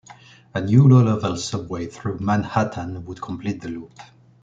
A new low-level subway through Manhattan would complete the loop.